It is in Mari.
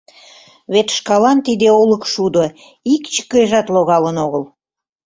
Вет шкалан тиде олык шудо ик чыкежат логалын огыл.